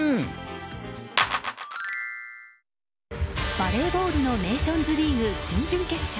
バレーボールのネーションズリーグ準々決勝。